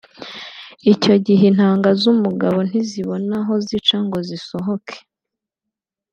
Icyo gihe intanga z’umugabo ntizibona aho zica ngo zisohoke